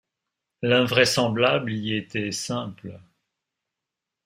L’invraisemblable y était simple.